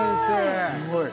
すごい！